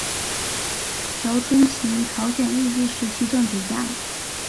朴春琴朝鲜日治时期政治家。